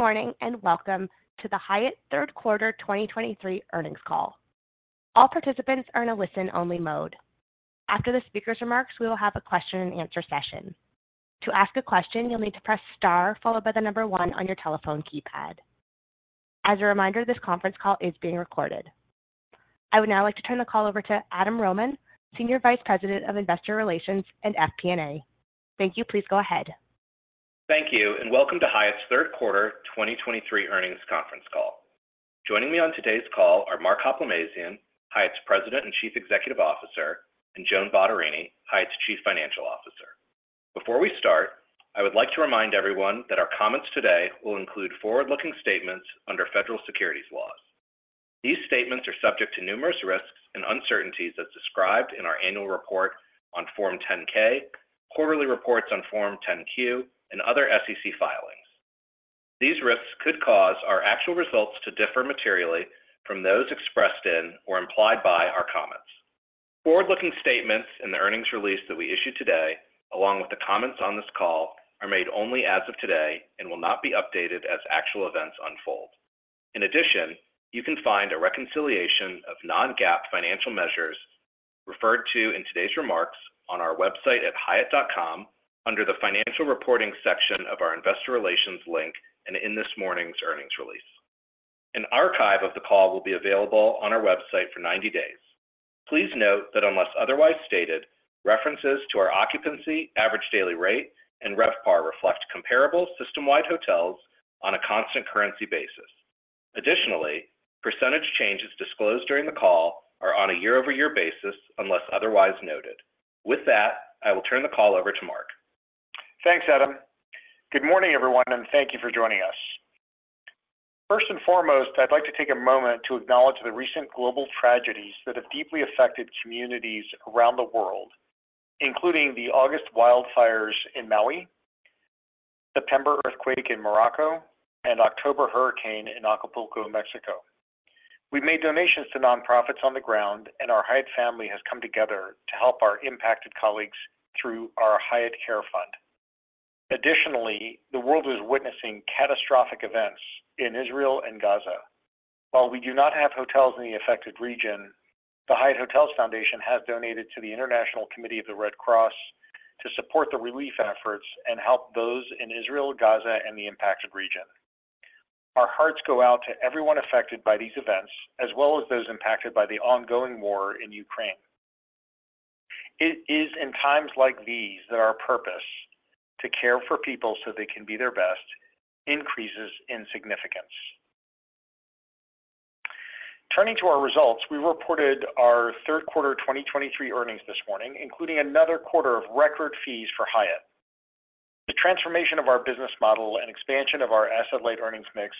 Good morning, and welcome to the Hyatt Third Quarter 2023 Earnings Call. All participants are in a listen-only mode. After the speaker's remarks, we will have a question and answer session. To ask a question, you'll need to press star, followed by the number one on your telephone keypad. As a reminder, this conference call is being recorded. I would now like to turn the call over to Adam Rohman, Senior Vice President of Investor Relations and FP&A. Thank you. Please go ahead. Thank you, and welcome to Hyatt's Third Quarter 2023 Earnings Conference Call. Joining me on today's call are Mark Hoplamazian, Hyatt's President and Chief Executive Officer, and Joan Bottarini, Hyatt's Chief Financial Officer. Before we start, I would like to remind everyone that our comments today will include forward-looking statements under federal securities laws. These statements are subject to numerous risks and uncertainties as described in our annual report on Form 10-K, quarterly reports on Form 10-Q, and other SEC filings. These risks could cause our actual results to differ materially from those expressed in or implied by our comments. Forward-looking statements in the earnings release that we issued today, along with the comments on this call, are made only as of today and will not be updated as actual events unfold. In addition, you can find a reconciliation of non-GAAP financial measures referred to in today's remarks on our website at hyatt.com under the Financial Reporting section of our Investor Relations link and in this morning's earnings release. An archive of the call will be available on our website for ninety days. Please note that unless otherwise stated, references to our occupancy, average daily rate, and RevPAR reflect comparable system-wide hotels on a constant currency basis. Additionally, percentage changes disclosed during the call are on a year-over-year basis, unless otherwise noted. With that, I will turn the call over to Mark. Thanks, Adam. Good morning, everyone, and thank you for joining us. First and foremost, I'd like to take a moment to acknowledge the recent global tragedies that have deeply affected communities around the world, including the August wildfires in Maui, September earthquake in Morocco, and October hurricane in Acapulco, Mexico. We've made donations to nonprofits on the ground, and our Hyatt family has come together to help our impacted colleagues through our Hyatt Care Fund. Additionally, the world is witnessing catastrophic events in Israel and Gaza. While we do not have hotels in the affected region, the Hyatt Hotels Foundation has donated to the International Committee of the Red Cross to support the relief efforts and help those in Israel, Gaza, and the impacted region. Our hearts go out to everyone affected by these events, as well as those impacted by the ongoing war in Ukraine. It is in times like these that our purpose, to care for people so they can be their best, increases in significance. Turning to our results, we reported our Q3 2023 earnings this morning, including another quarter of record fees for Hyatt. The transformation of our business model and expansion of our asset-light earnings mix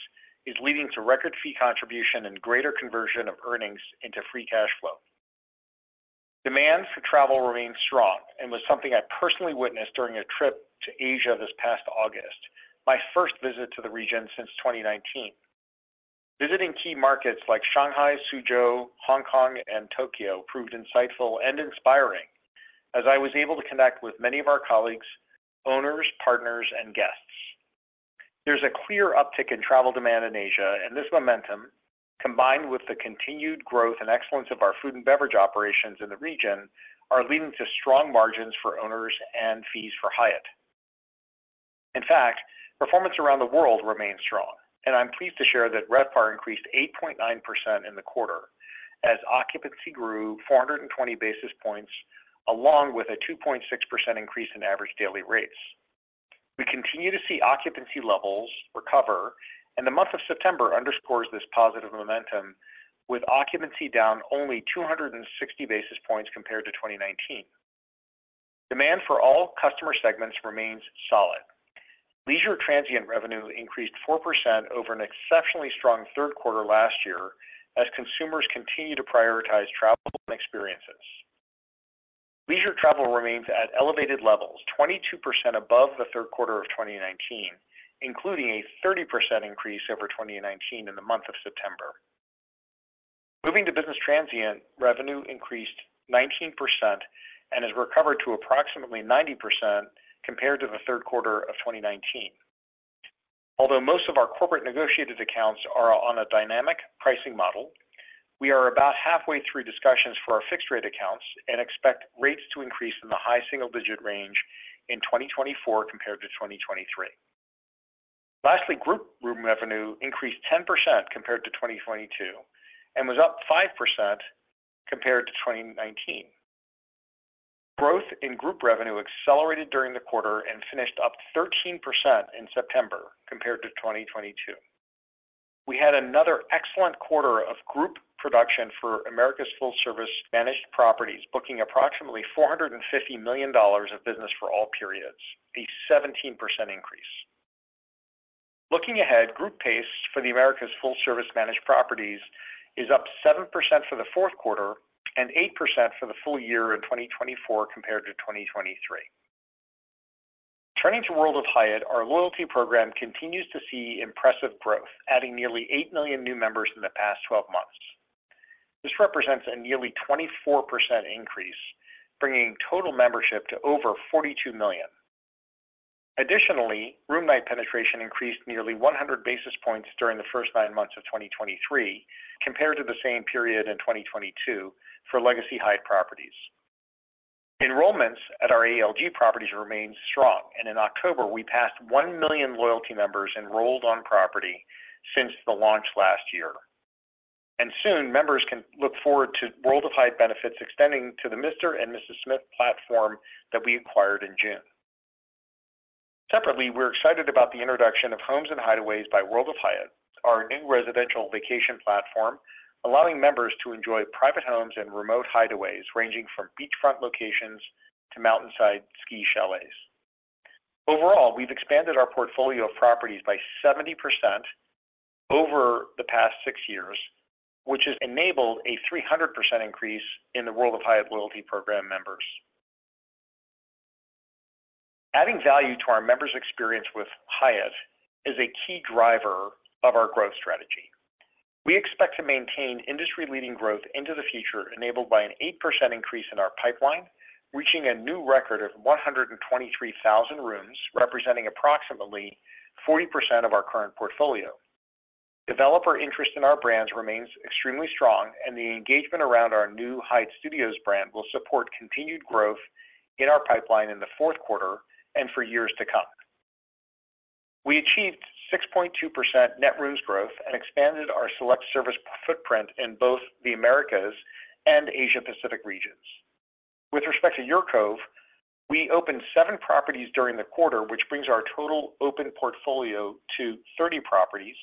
is leading to record fee contribution and greater conversion of earnings into free cash flow. Demand for travel remains strong and was something I personally witnessed during a trip to Asia this past August, my first visit to the region since 2019. Visiting key markets like Shanghai, Suzhou, Hong Kong, and Tokyo proved insightful and inspiring as I was able to connect with many of our colleagues, owners, partners, and guests. There's a clear uptick in travel demand in Asia, and this momentum, combined with the continued growth and excellence of our food and beverage operations in the region, are leading to strong margins for owners and fees for Hyatt. In fact, performance around the world remains strong, and I'm pleased to share that RevPAR increased 8.9% in the quarter as occupancy grew 420 basis points, along with a 2.6% increase in average daily rates. We continue to see occupancy levels recover, and the month of September underscores this positive momentum, with occupancy down only 260 basis points compared to 2019. Demand for all customer segments remains solid. Leisure transient revenue increased 4% over an exceptionally strong third quarter last year, as consumers continue to prioritize travel and experiences. Leisure travel remains at elevated levels, 22% above Q3 of 2019, including a 30% increase over 2019 in the month of September. Moving to business transient, revenue increased 19% and has recovered to approximately 90% compared to Q3 of 2019. Although most of our corporate negotiated accounts are on a dynamic pricing model, we are about halfway through discussions for our fixed-rate accounts and expect rates to increase in the high single-digit range in 2024 compared to 2023. Lastly, group room revenue increased 10% compared to 2022 and was up 5% compared to 2019. Growth in group revenue accelerated during the quarter and finished up 13% in September compared to 2022. We had another excellent quarter of group production for Americas full-service managed properties, booking approximately $450 million of business for all periods, a 17% increase. Looking ahead, group pace for the Americas full-service managed properties is up 7% for Q4 and 8% for the full year in 2024 compared to 2023. Turning to World of Hyatt, our loyalty program continues to see impressive growth, adding nearly eight million new members in the past twelve months.... This represents a nearly 24% increase, bringing total membership to over 42 million. Additionally, room night penetration increased nearly 100 basis points during the first nine months of 2023, compared to the same period in 2022 for Legacy Hyatt properties. Enrollments at our ALG properties remain strong, and in October, we passed one million loyalty members enrolled on property since the launch last year. Soon, members can look forward to World of Hyatt benefits extending to the Mr & Mrs Smith platform that we acquired in June. Separately, we're excited about the introduction of Homes & Hideaways by World of Hyatt, our new residential vacation platform, allowing members to enjoy private homes and remote hideaways, ranging from beachfront locations to mountainside ski chalets. Overall, we've expanded our portfolio of properties by 70% over the past six years, which has enabled a 300% increase in the World of Hyatt loyalty program members. Adding value to our members' experience with Hyatt is a key driver of our growth strategy. We expect to maintain industry-leading growth into the future, enabled by an 8% increase in our pipeline, reaching a new record of 123,000 rooms, representing approximately 40% of our current portfolio. Developer interest in our brands remains extremely strong, and the engagement around our new Hyatt Studios brand will support continued growth in our pipeline in Q4 and for years to come. We achieved 6.2% net rooms growth and expanded our select service footprint in both the Americas and Asia Pacific regions. With respect to UrCove, we opened seven properties during the quarter, which brings our total open portfolio to 30 properties,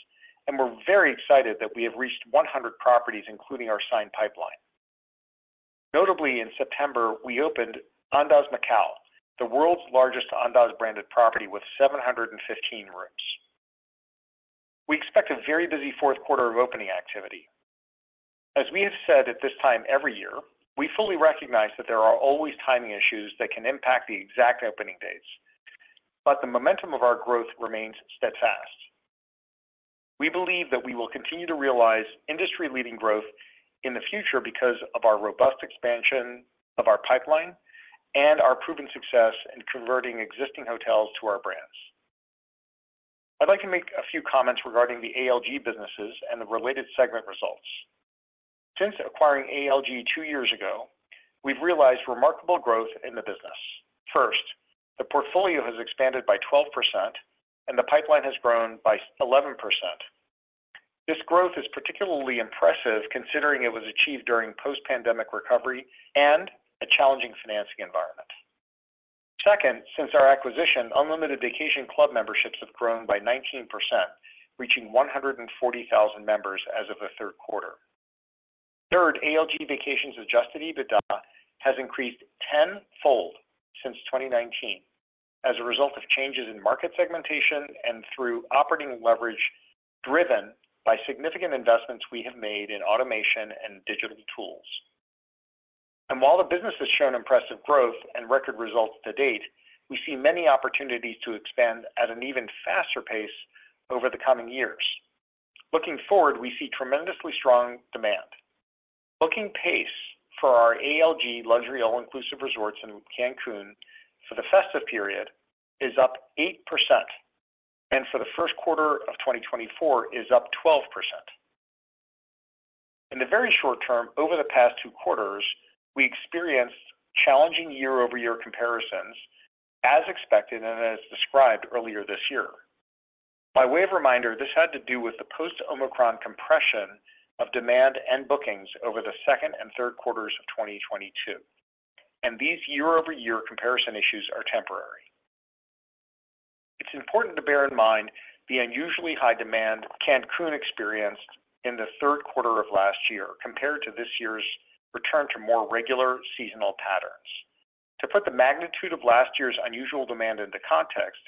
and we're very excited that we have reached 100 properties, including our signed pipeline. Notably, in September, we opened Andaz Macau, the world's largest Andaz branded property with 715 rooms. We expect a very busy fourth quarter of opening activity. As we have said at this time every year, we fully recognize that there are always timing issues that can impact the exact opening dates, but the momentum of our growth remains steadfast. We believe that we will continue to realize industry-leading growth in the future because of our robust expansion of our pipeline and our proven success in converting existing hotels to our brands. I'd like to make a few comments regarding the ALG businesses and the related segment results. Since acquiring ALG two years ago, we've realized remarkable growth in the business. First, the portfolio has expanded by 12%, and the pipeline has grown by 11%. This growth is particularly impressive considering it was achieved during post-pandemic recovery and a challenging financing environment. Second, since our acquisition, Unlimited Vacation Club memberships have grown by 19%, reaching 140,000 members as of Q3. Third, ALG Vacations Adjusted EBITDA has increased tenfold since 2019 as a result of changes in market segmentation and through operating leverage, driven by significant investments we have made in automation and digital tools. And while the business has shown impressive growth and record results to date, we see many opportunities to expand at an even faster pace over the coming years. Looking forward, we see tremendously strong demand. Booking pace for our ALG luxury all-inclusive resorts in Cancun for the festive period is up 8%, and for Q1 of 2024 is up 12%. In the very short term, over the past two quarters, we experienced challenging year-over-year comparisons, as expected and as described earlier this year. By way of reminder, this had to do with the post-Omicron compression of demand and bookings over Q2 and Q3 of 2022, and these year-over-year comparison issues are temporary. It's important to bear in mind the unusually high demand Cancun experienced in the third quarter of last year, compared to this year's return to more regular seasonal patterns. To put the magnitude of last year's unusual demand into context,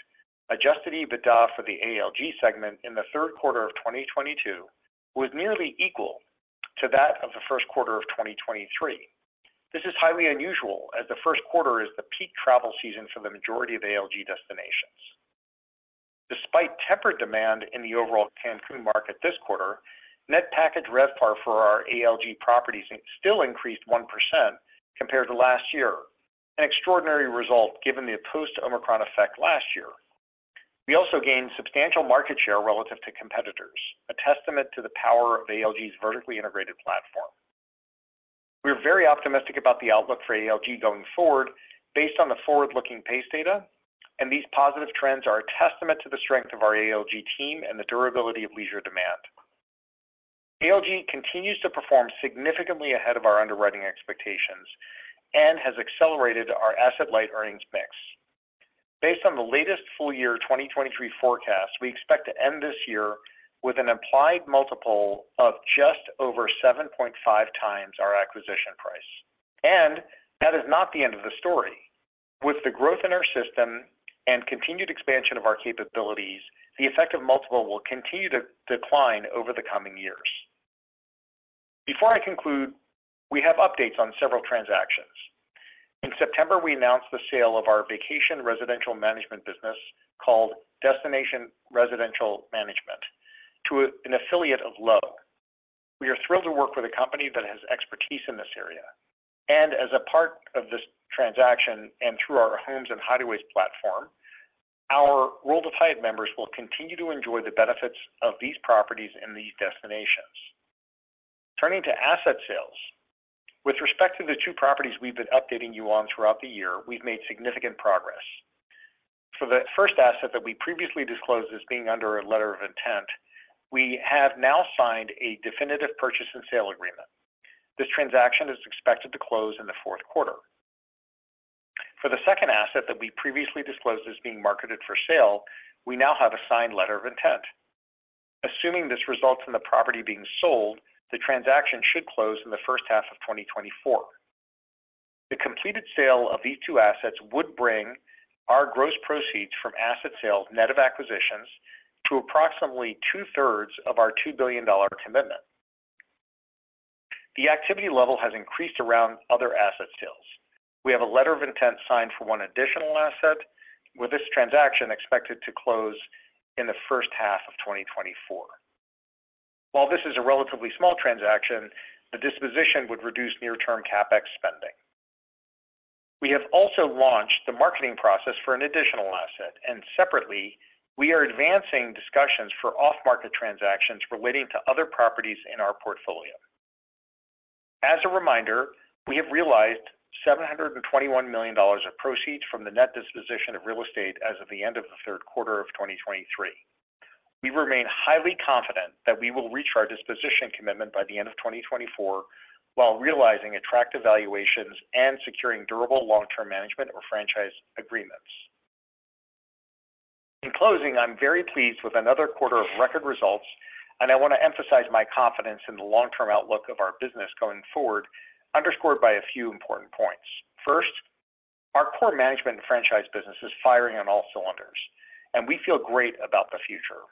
adjusted EBITDA for the ALG segment in Q3 of 2022 was nearly equal to that of Q1 of 2023. This is highly unusual, as Q1 is the peak travel season for the majority of ALG destinations. Despite tempered demand in the overall Cancun market this quarter, net package RevPAR for our ALG properties still increased 1% compared to last year, an extraordinary result given the post-Omicron effect last year. We also gained substantial market share relative to competitors, a testament to the power of ALG's vertically integrated platform. We are very optimistic about the outlook for ALG going forward based on the forward-looking pace data, and these positive trends are a testament to the strength of our ALG team and the durability of leisure demand. ALG continues to perform significantly ahead of our underwriting expectations and has accelerated our asset-light earnings mix. Based on the latest full year 2023 forecast, we expect to end this year with an implied multiple of just over 7.5x our acquisition price. And that is not the end of the story. With the growth in our system and continued expansion of our capabilities, the effect of multiple will continue to decline over the coming years. Before I conclude, we have updates on several transactions.... September, we announced the sale of our vacation residential management business, called Destination Residential Management, to an affiliate of Lowe. We are thrilled to work with a company that has expertise in this area, and as a part of this transaction and through our Homes & Hideaways platform, our World of Hyatt members will continue to enjoy the benefits of these properties in these destinations. Turning to asset sales, with respect to the two properties we've been updating you on throughout the year, we've made significant progress. For the first asset that we previously disclosed as being under a letter of intent, we have now signed a definitive purchase and sale agreement. This transaction is expected to close in Q4. For the second asset that we previously disclosed as being marketed for sale, we now have a signed letter of intent. Assuming this results in the property being sold, the transaction should close in H1 of 2024. The completed sale of these two assets would bring our gross proceeds from asset sales, net of acquisitions, to approximately 2/3 of our $2 billion commitment. The activity level has increased around other asset sales. We have a letter of intent signed for one additional asset, with this transaction expected to close in H1 of 2024. While this is a relatively small transaction, the disposition would reduce near-term CapEx spending. We have also launched the marketing process for an additional asset, and separately, we are advancing discussions for off-market transactions relating to other properties in our portfolio. As a reminder, we have realized $721 million of proceeds from the net disposition of real estate as of the end of Q3 of 2023. We remain highly confident that we will reach our disposition commitment by the end of 2024, while realizing attractive valuations and securing durable long-term management or franchise agreements. In closing, I'm very pleased with another quarter of record results, and I want to emphasize my confidence in the long-term outlook of our business going forward, underscored by a few important points. First, our core management and franchise business is firing on all cylinders, and we feel great about the future.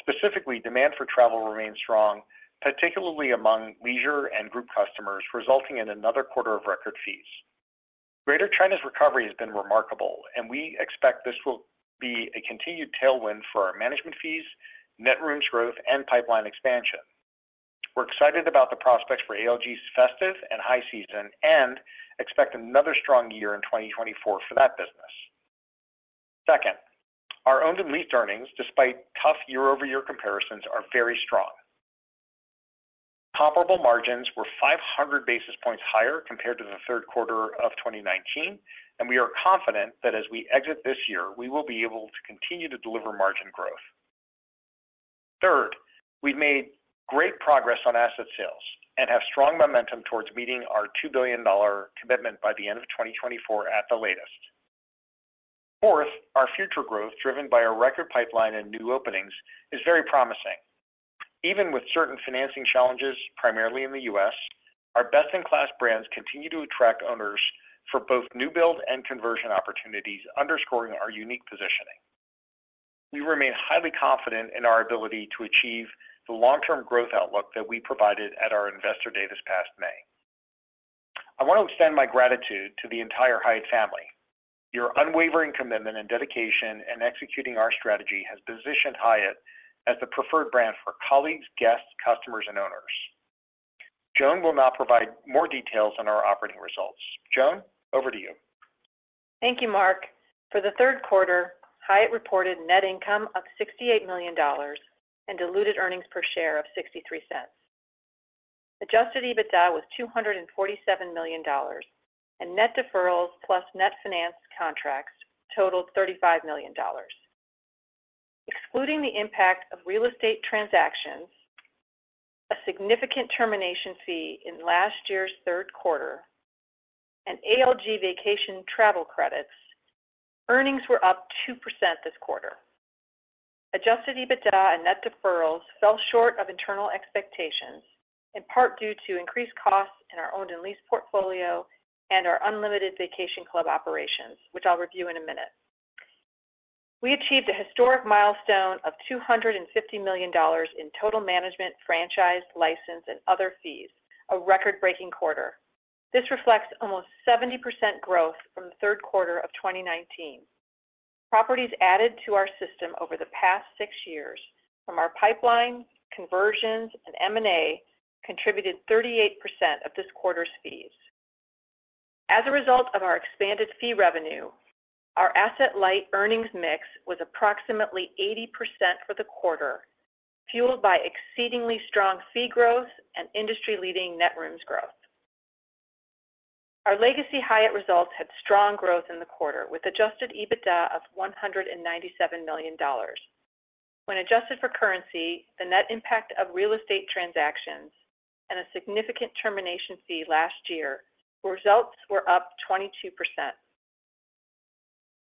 Specifically, demand for travel remains strong, particularly among leisure and group customers, resulting in another quarter of record fees. Greater China's recovery has been remarkable, and we expect this will be a continued tailwind for our management fees, net rooms growth, and pipeline expansion. We're excited about the prospects for ALG's festive and high season and expect another strong year in 2024 for that business. Second, our owned and leased earnings, despite tough year-over-year comparisons, are very strong. Comparable margins were 500 basis points higher compared to Q3 of 2019, and we are confident that as we exit this year, we will be able to continue to deliver margin growth. Third, we've made great progress on asset sales and have strong momentum towards meeting our $2 billion commitment by the end of 2024 at the latest. Fourth, our future growth, driven by our record pipeline and new openings, is very promising. Even with certain financing challenges, primarily in the US, our best-in-class brands continue to attract owners for both new build and conversion opportunities, underscoring our unique positioning. We remain highly confident in our ability to achieve the long-term growth outlook that we provided at our Investor Day this past May. I want to extend my gratitude to the entire Hyatt family. Your unwavering commitment and dedication in executing our strategy has positioned Hyatt as the preferred brand for colleagues, guests, customers, and owners. Joan will now provide more details on our operating results. Joan, over to you. Thank you, Mark. For Q3, Hyatt reported net income of $68 million and diluted earnings per share of $0.63. Adjusted EBITDA was $247 million, and net deferrals plus net finance contracts totaled $35 million. Excluding the impact of real estate transactions, a significant termination fee in last year's Q3, and ALG vacation travel credits, earnings were up 2% this quarter. Adjusted EBITDA and net deferrals fell short of internal expectations, in part due to increased costs in our owned and leased portfolio and our unlimited vacation club operations, which I'll review in a minute. We achieved a historic milestone of $250 million in total management, franchise, license, and other fees, a record-breaking quarter. This reflects almost 70% growth from Q3 of 2019. Properties added to our system over the past six years from our pipeline, conversions, and M&A contributed 38% of this quarter's fees. As a result of our expanded fee revenue, our asset-light earnings mix was approximately 80% for the quarter, fueled by exceedingly strong fee growth and industry-leading net rooms growth. Our legacy Hyatt results had strong growth in the quarter, with adjusted EBITDA of $197 million. When adjusted for currency, the net impact of real estate transactions, and a significant termination fee last year, results were up 22%.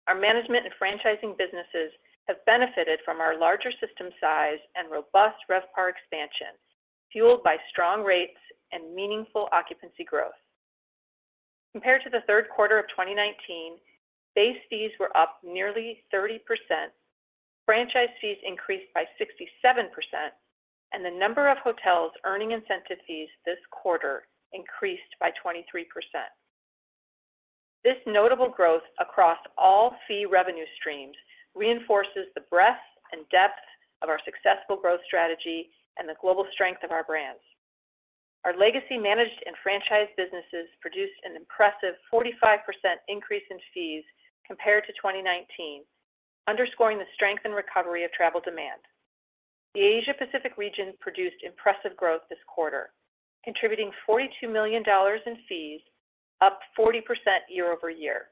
Our management and franchising businesses have benefited from our larger system size and robust RevPAR expansion, fueled by strong rates and meaningful occupancy growth. Compared to Q3 of 2019, base fees were up nearly 30%. Franchise fees increased by 67%, and the number of hotels earning incentive fees this quarter increased by 23%. This notable growth across all fee revenue streams reinforces the breadth and depth of our successful growth strategy and the global strength of our brands. Our legacy managed and franchised businesses produced an impressive 45% increase in fees compared to 2019, underscoring the strength and recovery of travel demand. The Asia-Pacific region produced impressive growth this quarter, contributing $42 million in fees, up 40% year-over-year.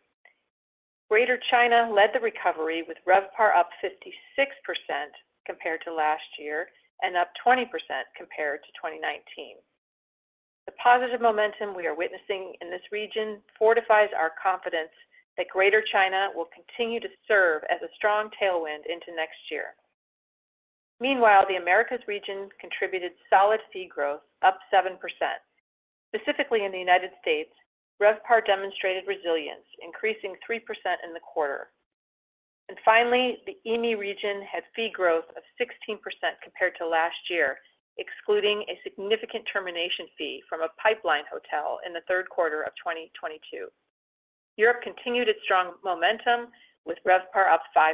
Greater China led the recovery, with RevPAR up 56% compared to last year and up 20% compared to 2019. The positive momentum we are witnessing in this region fortifies our confidence that Greater China will continue to serve as a strong tailwind into next year. Meanwhile, the Americas region contributed solid fee growth, up 7%. Specifically in the United States, RevPAR demonstrated resilience, increasing 3% in the quarter. And finally, the EAME region had fee growth of 16% compared to last year, excluding a significant termination fee from a pipeline hotel in Q3 of 2022. Europe continued its strong momentum, with RevPAR up 5%.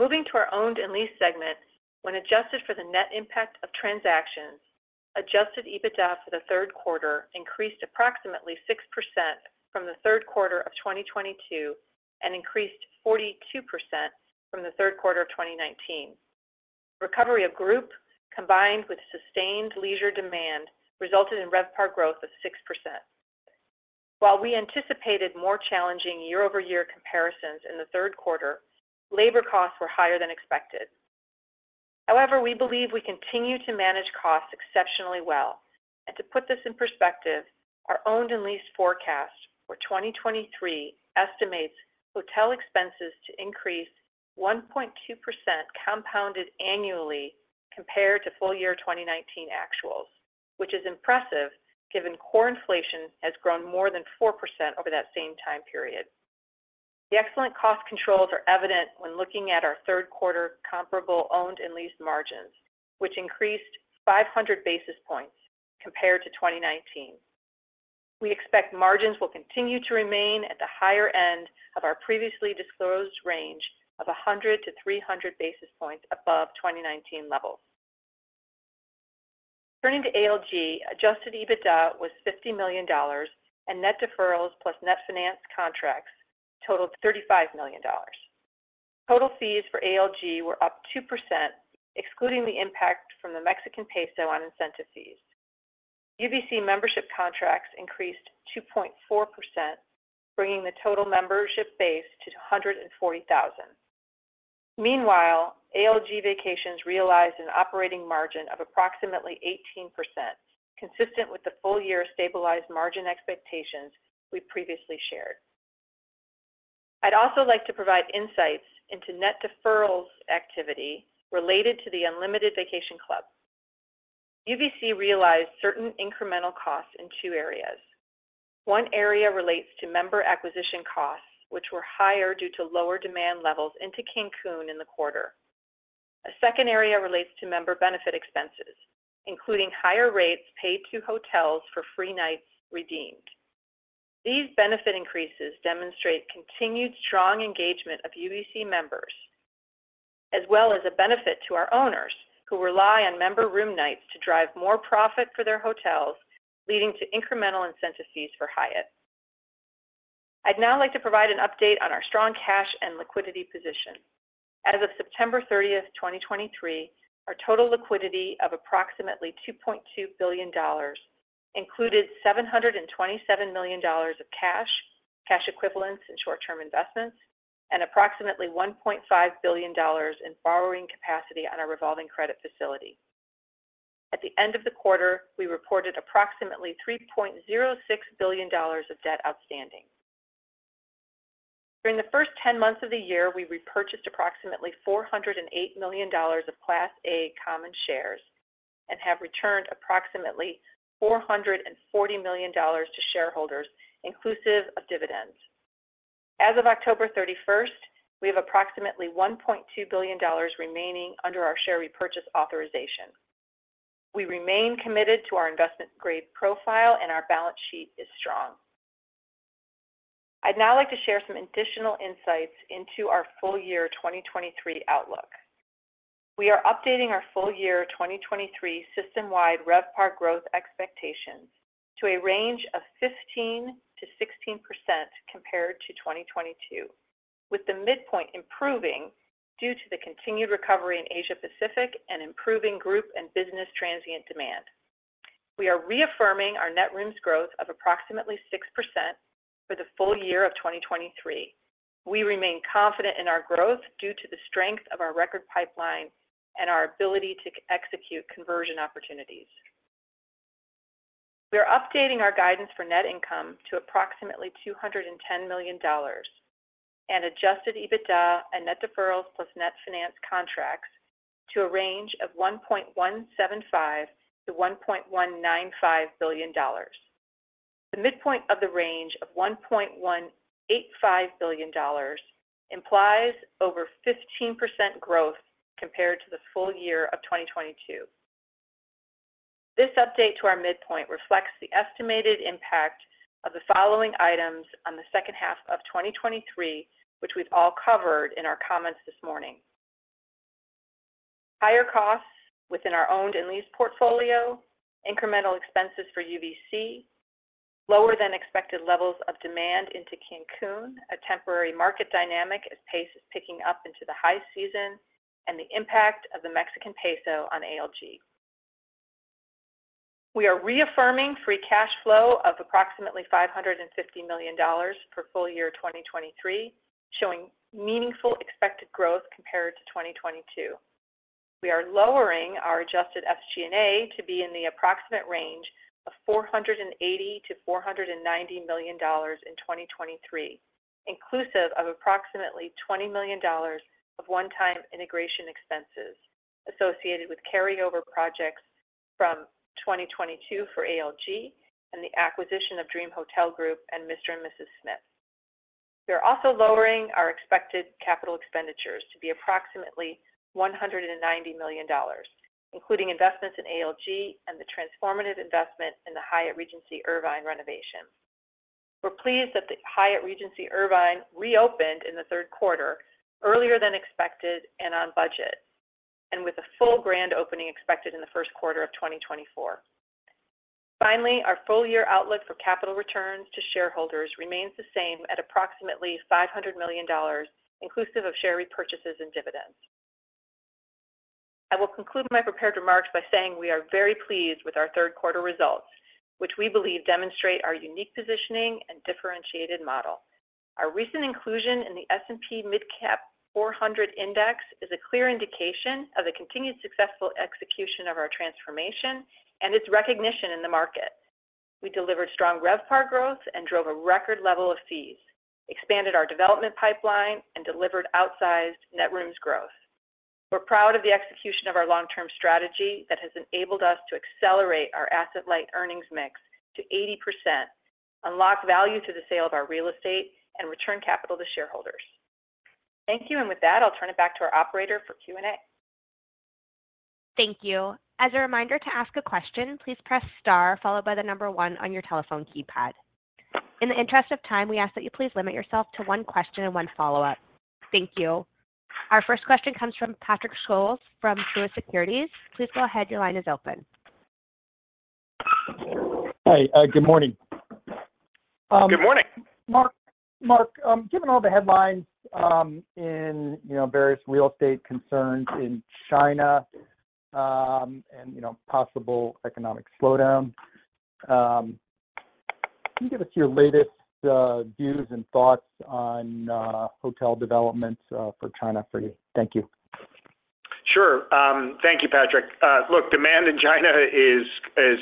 Moving to our owned and leased segment, when adjusted for the net impact of transactions, adjusted EBITDA for the third quarter increased approximately 6% from Q3 of 2022 and increased 42% from Q3 of 2019. Recovery of group, combined with sustained leisure demand, resulted in RevPAR growth of 6%. While we anticipated more challenging year-over-year comparisons in Q3, labor costs were higher than expected. However, we believe we continue to manage costs exceptionally well, and to put this in perspective, our owned and leased forecast for 2023 estimates hotel expenses to increase 1.2% compounded annually compared to full year 2019 actuals, which is impressive given core inflation has grown more than 4% over that same time period. The excellent cost controls are evident when looking at our Q3 comparable owned and leased margins, which increased 500 basis points compared to 2019. We expect margins will continue to remain at the higher end of our previously disclosed range of 100 basis points to 300 basis points above 2019 levels. Turning to ALG, Adjusted EBITDA was $50 million, and net deferrals plus net finance contracts totaled $35 million. Total fees for ALG were up 2%, excluding the impact from the Mexican peso on incentive fees. UVC membership contracts increased 2.4%, bringing the total membership base to 140,000. Meanwhile, ALG Vacations realized an operating margin of approximately 18%, consistent with the full-year stabilized margin expectations we previously shared. I'd also like to provide insights into net deferrals activity related to the Unlimited Vacation Club. UVC realized certain incremental costs in two areas. One area relates to member acquisition costs, which were higher due to lower demand levels into Cancun in the quarter. A second area relates to member benefit expenses, including higher rates paid to hotels for free nights redeemed. These benefit increases demonstrate continued strong engagement of UVC members, as well as a benefit to our owners, who rely on member room nights to drive more profit for their hotels, leading to incremental incentive fees for Hyatt. I'd now like to provide an update on our strong cash and liquidity position. As of 30 September 2023, our total liquidity of approximately $2.2 billion included $727 million of cash, cash equivalents, and short-term investments, and approximately $1.5 billion in borrowing capacity on our revolving credit facility. At the end of the quarter, we reported approximately $3.06 billion of debt outstanding. During the first 10 months of the year, we repurchased approximately $408 million of Class A common shares and have returned approximately $440 million to shareholders, inclusive of dividends. As of 31 October, we have approximately $1.2 billion remaining under our share repurchase authorization. We remain committed to our investment-grade profile, and our balance sheet is strong. I'd now like to share some additional insights into our full year 2023 outlook. We are updating our full year 2023 system-wide RevPAR growth expectations to a range of 15% to 16% compared to 2022, with the midpoint improving due to the continued recovery in Asia-Pacific and improving group and business transient demand. We are reaffirming our net rooms growth of approximately 6% for the full year of 2023. We remain confident in our growth due to the strength of our record pipeline and our ability to execute conversion opportunities. We are updating our guidance for net income to approximately $210 million and Adjusted EBITDA and net deferrals plus net finance contracts to a range of $1.175 billion to $1.195 billion. The midpoint of the range of $1.185 billion implies over 15% growth compared to the full year of 2022. This update to our midpoint reflects the estimated impact of the following items on H2 of 2023, which we've all covered in our comments this morning. Higher costs within our owned and leased portfolio, incremental expenses for UVC, lower than expected levels of demand into Cancun, a temporary market dynamic as pace is picking up into the high season, and the impact of the Mexican peso on ALG. We are reaffirming free cash flow of approximately $550 million for full year 2023, showing meaningful expected growth compared to 2022. We are lowering our adjusted SG&A to be in the approximate range of $480 million to $490 million in 2023, inclusive of approximately $20 million of one-time integration expenses associated with carryover projects from 2022 for ALG and the acquisition of Dream Hotel Group and Mr & Mrs Smith. We are also lowering our expected capital expenditures to be approximately $190 million, including investments in ALG and the transformative investment in the Hyatt Regency Irvine renovation. We're pleased that the Hyatt Regency Irvine reopened in Q3, earlier than expected and on budget, and with a full grand opening expected in Q1 of 2024. Finally, our full year outlook for capital returns to shareholders remains the same at approximately $500 million, inclusive of share repurchases and dividends. I will conclude my prepared remarks by saying we are very pleased with our Q3 results, which we believe demonstrate our unique positioning and differentiated model. Our recent inclusion in the S&P MidCap 400 Index is a clear indication of the continued successful execution of our transformation and its recognition in the market. We delivered strong RevPAR growth and drove a record level of fees, expanded our development pipeline, and delivered outsized net rooms growth. We're proud of the execution of our long-term strategy that has enabled us to accelerate our asset-light earnings mix to 80%, unlock value to the sale of our real estate, and return capital to shareholders. Thank you, and with that, I'll turn it back to our operator for Q&A. Thank you. As a reminder to ask a question, please press star followed by the number one on your telephone keypad. In the interest of time, we ask that you please limit yourself to one question and one follow-up. Thank you. Our first question comes from Patrick Scholes from Truist Securities. Please go ahead. Your line is open. Hi. Good morning, Good morning. Mark, Mark, given all the headlines, you know, various real estate concerns in China, and, you know, possible economic slowdown, can you give us your latest views and thoughts on hotel developments for China for you? Thank you. Sure. Thank you, Patrick. Look, demand in China is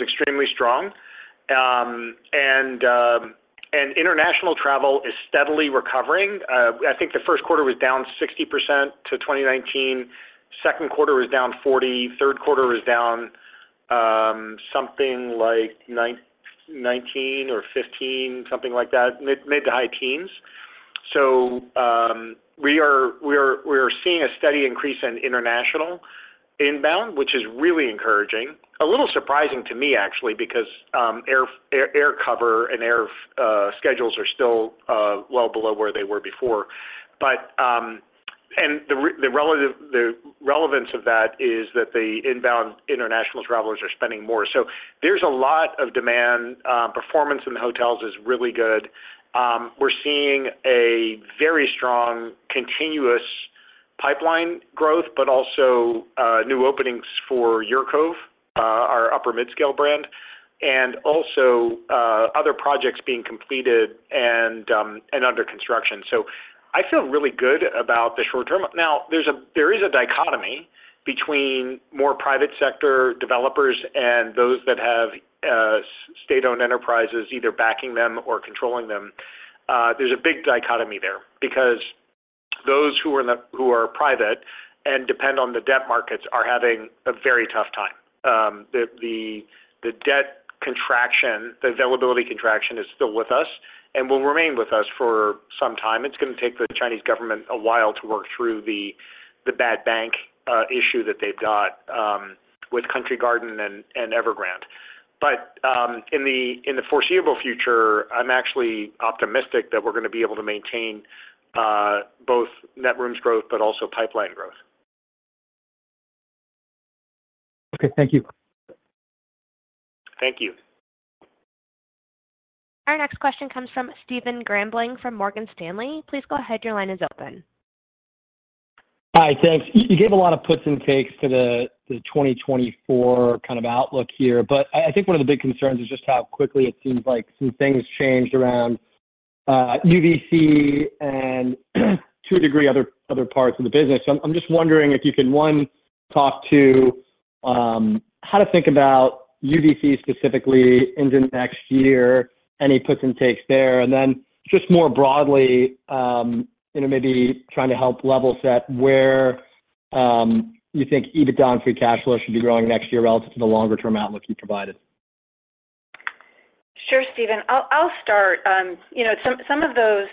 extremely strong, and international travel is steadily recovering. I think Q1 was down 60% to 2019. Q2 was down 40%, Q3 was down something like 19% or 15%, something like that, mid to high teens. So, we are seeing a steady increase in international inbound, which is really encouraging. A little surprising to me, actually, because air cover and air schedules are still well below where they were before. But, the relative relevance of that is that the inbound international travelers are spending more. So there's a lot of demand. Performance in the hotels is really good. We're seeing a very strong continuous pipeline growth, but also, new openings for UrCove, our upper mid-scale brand, and also, other projects being completed and under construction. So I feel really good about the short term. Now, there is a dichotomy between more private sector developers and those that have state-owned enterprises either backing them or controlling them. There's a big dichotomy there because those who are in the—who are private and depend on the debt markets are having a very tough time. The debt contraction, the availability contraction is still with us and will remain with us for some time. It's going to take the Chinese government a while to work through the bad bank issue that they've got with Country Garden and Evergrande. But, in the foreseeable future, I'm actually optimistic that we're going to be able to maintain both net rooms growth, but also pipeline growth. Okay. Thank you. Thank you. Our next question comes from Stephen Grambling from Morgan Stanley. Please go ahead. Your line is open. Hi, thanks. You gave a lot of puts and takes to the 2024 kind of outlook here, but I think one of the big concerns is just how quickly it seems like some things changed around UVC and to a degree, other parts of the business. I'm just wondering if you can, one, talk to how to think about UVC specifically into next year, any puts and takes there? And then just more broadly, you know, maybe trying to help level set where you think EBITDA and free cash flow should be growing next year relative to the longer-term outlook you provided? Sure, Stephen. I'll start. You know, some of those,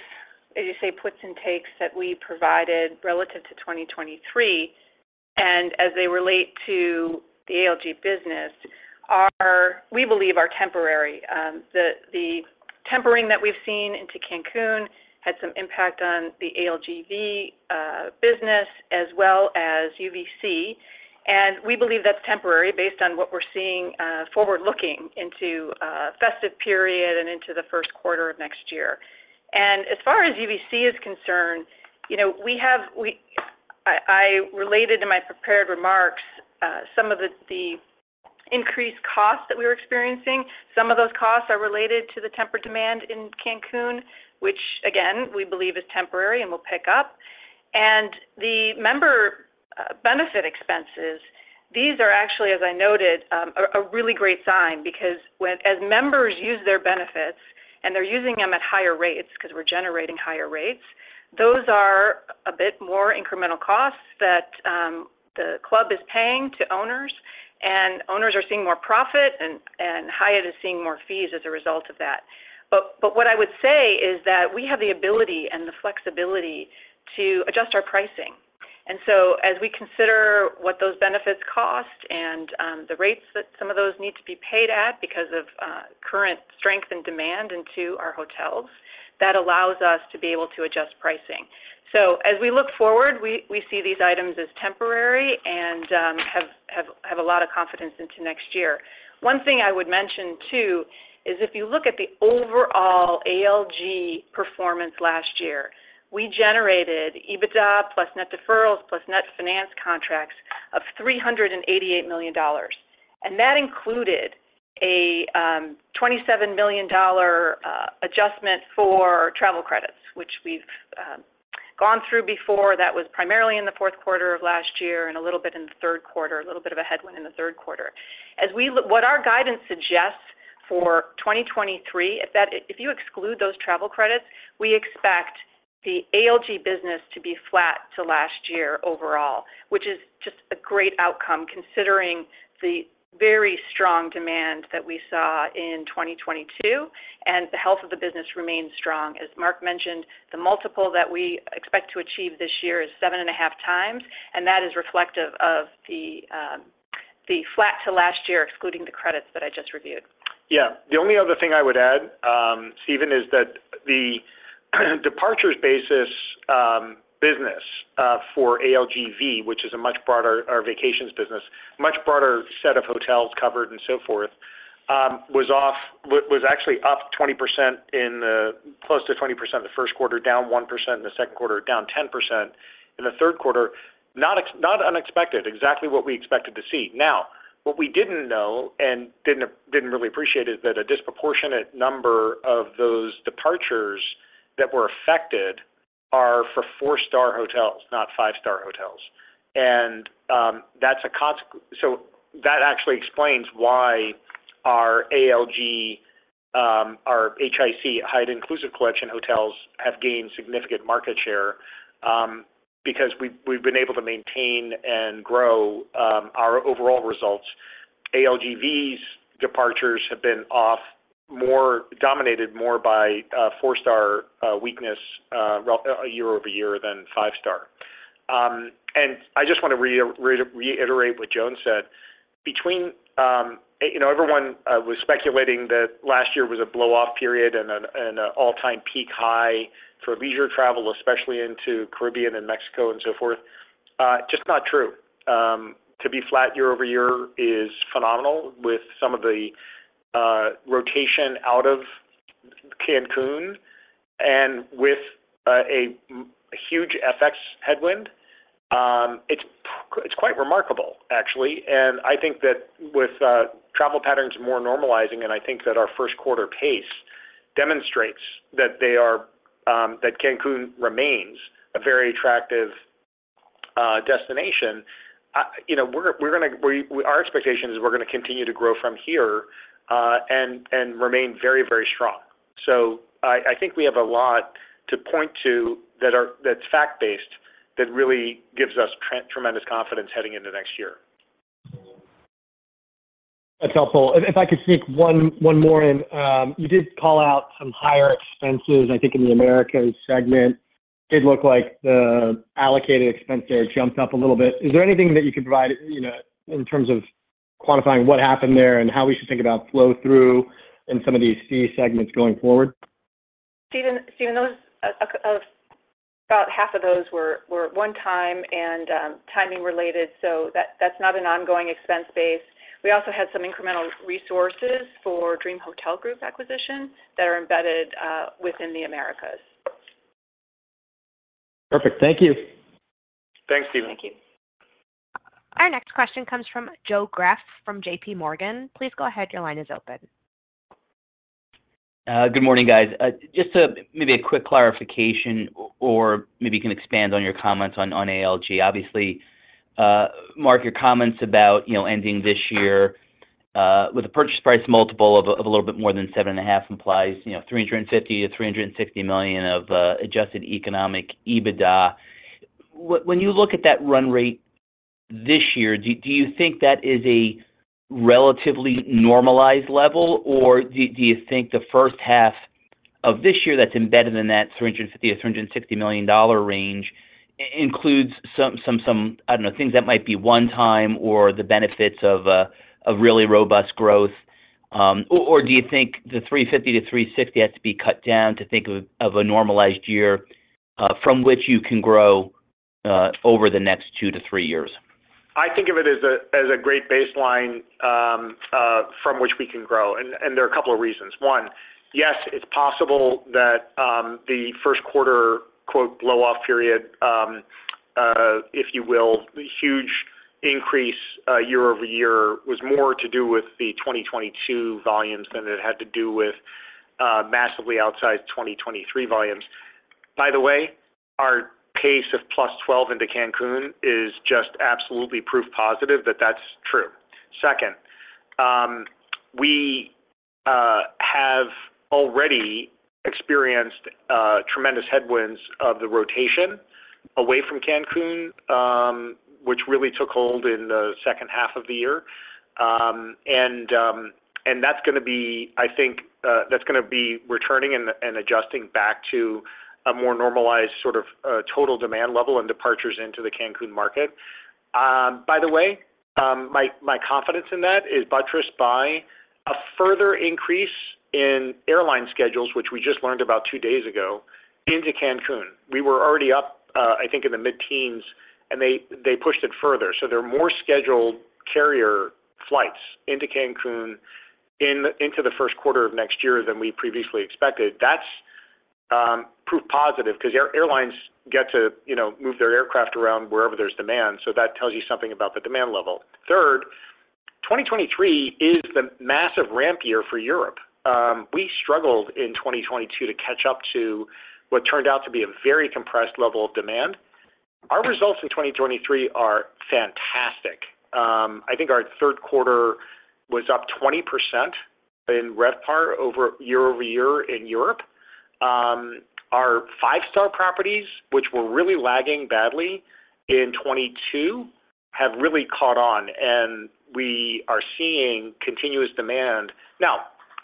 as you say, puts and takes that we provided relative to 2023, and as they relate to the ALG business, are, we believe, temporary. The tempering that we've seen into Cancun had some impact on the ALGV business as well as UVC. And we believe that's temporary based on what we're seeing forward-looking into festive period and into Q1 of next year. And as far as UVC is concerned, you know, I related in my prepared remarks some of the increased costs that we were experiencing. Some of those costs are related to the tempered demand in Cancun, which again, we believe is temporary and will pick up. The member benefit expenses, these are actually, as I noted, a really great sign because as members use their benefits, and they're using them at higher rates because we're generating higher rates, those are a bit more incremental costs that the club is paying to owners, and owners are seeing more profit, and Hyatt is seeing more fees as a result of that. But what I would say is that we have the ability and the flexibility to adjust our pricing. So as we consider what those benefits cost and the rates that some of those need to be paid at because of current strength and demand into our hotels, that allows us to be able to adjust pricing. So as we look forward, we see these items as temporary and have a lot of confidence into next year. One thing I would mention, too, is if you look at the overall ALG performance last year, we generated EBITDA, plus net deferrals, plus net finance contracts of $388 million. And that included a $27 million adjustment for travel credits, which we've gone through before. That was primarily in Q4 of last year and a little bit in Q3, a little bit of a headwind in Q3. As we look, what our guidance suggests for 2023 is that if you exclude those travel credits, we expect the ALG business to be flat to last year overall, which is just a great outcome, considering the very strong demand that we saw in 2022, and the health of the business remains strong. As Mark mentioned, the multiple that we expect to achieve this year is 7.5x, and that is reflective of the flat to last year, excluding the credits that I just reviewed. Yeah. The only other thing I would add, Stephen, is that the departures basis business for ALGV, which is a much broader our vacations business, much broader set of hotels covered and so forth, was actually up 20%, close to 20% in Q1, down 1% in Q2, down 10% in Q3. Not unexpected, exactly what we expected to see. Now, what we didn't know and didn't really appreciate is that a disproportionate number of those departures that were affected are for four-star hotels, not five-star hotels. So that actually explains why our ALG, our HIC, Hyatt Inclusive Collection hotels, have gained significant market share, because we've been able to maintain and grow our overall results. ALG's departures have been off more dominated more by four-star weakness, well, year-over-year than five star. And I just want to reiterate what Joan said. Between you know everyone was speculating that last year was a blow-off period and an all-time peak high for leisure travel, especially into Caribbean and Mexico and so forth. Just not true. To be flat year-over-year is phenomenal with some of the rotation out of Cancun and with a huge FX headwind. It's quite remarkable, actually. And I think that with travel patterns more normalizing, and I think that our first quarter pace demonstrates that they are, that Cancun remains a very attractive destination. You know, we're gonna continue to grow from here, and remain very, very strong. So I think we have a lot to point to that's fact-based, that really gives us tremendous confidence heading into next year. That's helpful. If I could sneak one more in. You did call out some higher expenses, I think, in the Americas segment. It did look like the allocated expense there jumped up a little bit. Is there anything that you could provide, you know, in terms of quantifying what happened there and how we should think about flow-through in some of these fee segments going forward? Stephen, Stephen, those, about half of those were one time and timing related, so that's not an ongoing expense base. We also had some incremental resources for Dream Hotel Group acquisition that are embedded within the Americas. Perfect. Thank you. Thanks, Stephen. Thank you. Our next question comes from Joe Greff from JP Morgan. Please go ahead. Your line is open. Good morning, guys. Just maybe a quick clarification or maybe you can expand on your comments on ALG. Obviously, Mark, your comments about, you know, ending this year with a purchase price multiple of a little bit more than 7.5 implies, you know, $350 million to $360 million of adjusted economic EBITDA. When you look at that run rate this year, do you think that is a relatively normalized level, or do you think the first half of this year that's embedded in that $350 million to $360 million range includes some, I don't know, things that might be one time or the benefits of a really robust growth? Or do you think the $350 million to $360 million has to be cut down to think of a normalized year from which you can grow over the next two to three years? I think of it as a great baseline from which we can grow, and there are a couple of reasons. One, yes, it's possible that the first quarter, quote, "blow-off period," if you will, the huge increase year-over-year was more to do with the 2022 volumes than it had to do with massively outsized 2023 volumes. By the way, our pace of +12 into Cancun is just absolutely proof positive that that's true. Second, we have already experienced tremendous headwinds of the rotation away from Cancun, which really took hold in H2 of the year. And that's gonna be... I think, that's gonna be returning and adjusting back to a more normalized sort of total demand level and departures into the Cancun market. By the way, my confidence in that is buttressed by a further increase in airline schedules, which we just learned about two days ago, into Cancun. We were already up, I think, in the mid-teens, and they pushed it further. So there are more scheduled carrier flights into Cancun into the first quarter of next year than we previously expected. That's proof positive because airlines get to, you know, move their aircraft around wherever there's demand, so that tells you something about the demand level. Third, 2023 is the massive ramp year for Europe. We struggled in 2022 to catch up to what turned out to be a very compressed level of demand. Our results in 2023 are fantastic. I think our third quarter was up 20% in RevPAR year-over-year in Europe. Our five-star properties, which were really lagging badly in 2022, have really caught on, and we are seeing continuous demand. Now,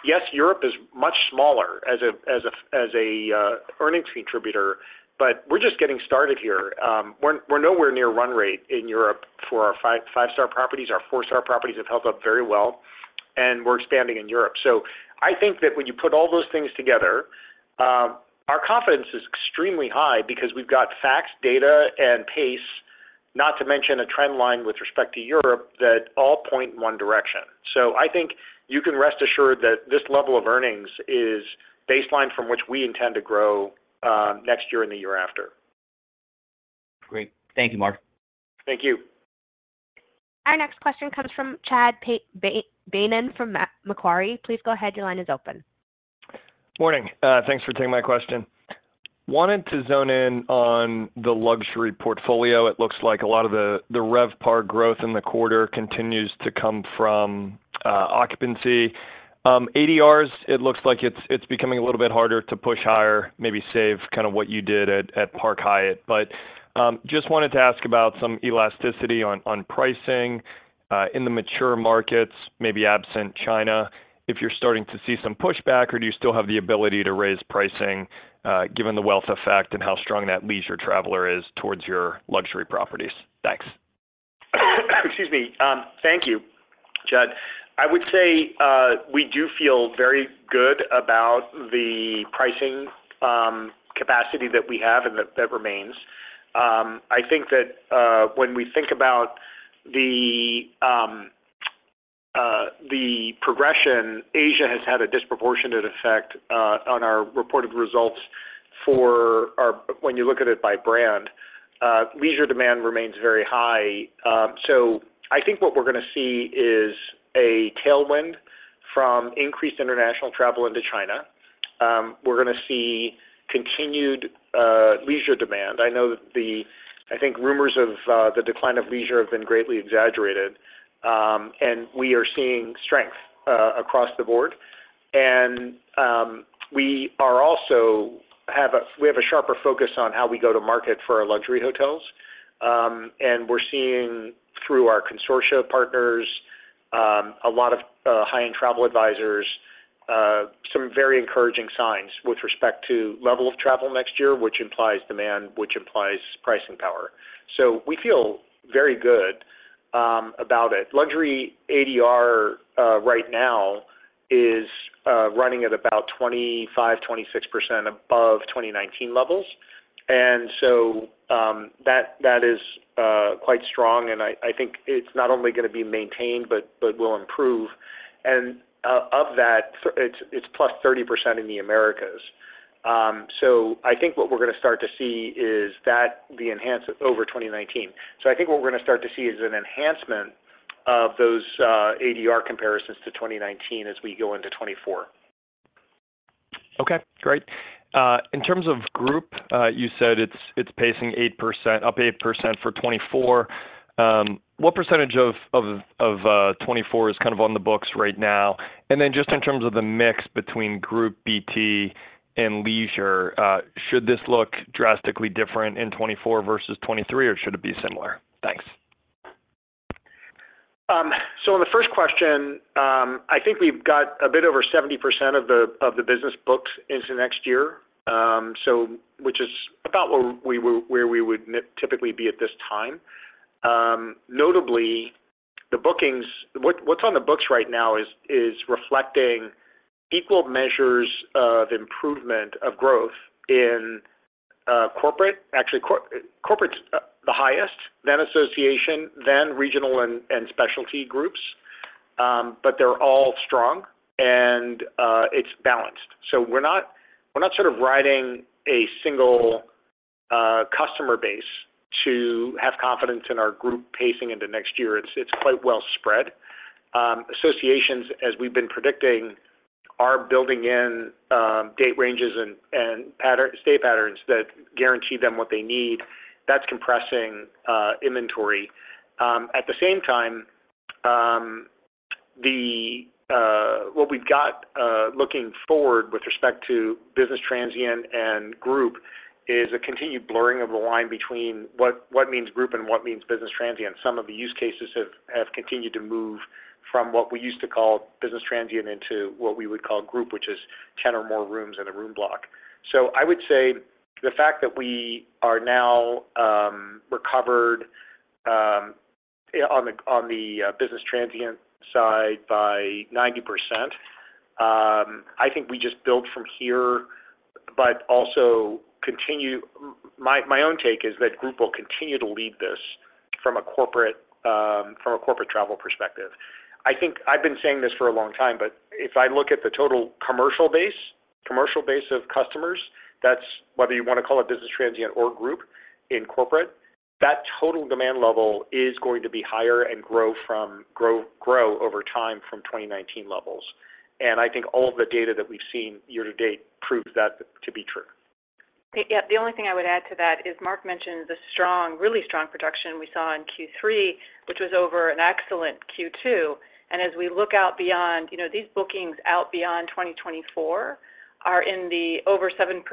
yes, Europe is much smaller as a earnings contributor, but we're just getting started here. We're nowhere near run rate in Europe for our five-star properties. Our four-star properties have held up very well, and we're expanding in Europe. So I think that when you put all those things together, our confidence is extremely high because we've got facts, data, and pace, not to mention a trend line with respect to Europe, that all point in one direction. So I think you can rest assured that this level of earnings is baseline from which we intend to grow next year and the year after. Great. Thank you, Mark. Thank you. Our next question comes from Chad Beynon from Macquarie. Please go ahead. Your line is open. Morning. Thanks for taking my question. Wanted to zone in on the luxury portfolio. It looks like a lot of the RevPAR growth in the quarter continues to come from occupancy. ADRs, it looks like it's becoming a little bit harder to push higher, maybe save kind of what you did at Park Hyatt. But just wanted to ask about some elasticity on pricing in the mature markets, maybe absent China, if you're starting to see some pushback, or do you still have the ability to raise pricing given the wealth effect and how strong that leisure traveler is towards your luxury properties? Thanks. Excuse me. Thank you, Chad. I would say, we do feel very good about the pricing, capacity that we have and that, that remains. I think that, when we think about the, the progression, Asia has had a disproportionate effect, on our reported results for our- when you look at it by brand. Leisure demand remains very high. So I think what we're gonna see is a tailwind from increased international travel into China. We're gonna see continued, leisure demand. I know the... I think rumors of, the decline of leisure have been greatly exaggerated, and we are seeing strength, across the board. And, we are also have a- we have a sharper focus on how we go to market for our luxury hotels. And we're seeing through our consortia partners a lot of high-end travel advisors some very encouraging signs with respect to level of travel next year, which implies demand, which implies pricing power. So we feel very good about it. Luxury ADR right now is running at about 25% to 26% above 2019 levels. And so, that is quite strong, and I think it's not only gonna be maintained, but will improve. And of that, it's +30% in the Americas. So I think what we're gonna start to see is an enhancement of those ADR comparisons to 2019 as we go into 2024.... Okay, great. In terms of group, you said it's pacing 8%, up 8% for 2024. What percentage of 2024 is kind of on the books right now? And then just in terms of the mix between group BT and leisure, should this look drastically different in 2024 versus 2023, or should it be similar? Thanks. So on the first question, I think we've got a bit over 70% of the business books into next year. Which is about where we would typically be at this time. Notably, the bookings—what's on the books right now is reflecting equal measures of improvement, of growth in corporate. Actually, corporate's the highest, then association, then regional and specialty groups. But they're all strong, and it's balanced. So we're not sort of riding a single customer base to have confidence in our group pacing into next year. It's quite well spread. Associations, as we've been predicting, are building in date ranges and stay patterns that guarantee them what they need. That's compressing inventory. At the same time, the... What we've got, looking forward with respect to business transient and group is a continued blurring of the line between what means group and what means business transient. Some of the use cases have continued to move from what we used to call business transient into what we would call group, which is 10 or more rooms in a room block. So I would say the fact that we are now recovered on the business transient side by 90%, I think we just build from here, but also continue. My own take is that group will continue to lead this from a corporate, from a corporate travel perspective. I think I've been saying this for a long time, but if I look at the total commercial base, commercial base of customers, that's whether you want to call it business transient or group in corporate, that total demand level is going to be higher and grow over time from 2019 levels. I think all of the data that we've seen year to date proves that to be true. Yeah, the only thing I would add to that is Mark mentioned the strong, really strong production we saw in Q3, which was over an excellent Q2. And as we look out beyond, you know, these bookings out beyond 2024 are in the over 7%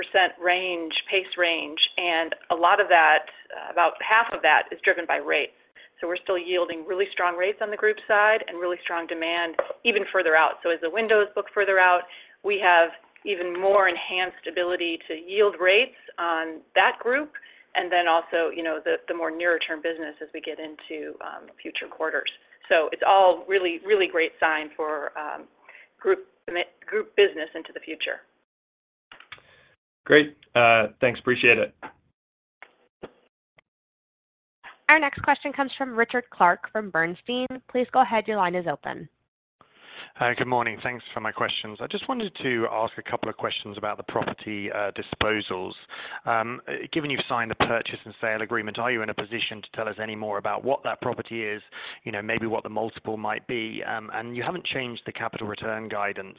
range, pace range, and a lot of that, about half of that is driven by rates. So we're still yielding really strong rates on the group side and really strong demand even further out. So as the windows book further out, we have even more enhanced ability to yield rates on that group, and then also, you know, the, the more nearer term business as we get into, future quarters. So it's all really, really great sign for, group business into the future. Great. Thanks, appreciate it. Our next question comes from Richard Clarke from Bernstein. Please go ahead. Your line is open. Hi, good morning. Thanks for my questions. I just wanted to ask a couple of questions about the property disposals. Given you've signed the purchase and sale agreement, are you in a position to tell us any more about what that property is? You know, maybe what the multiple might be. And you haven't changed the capital return guidance.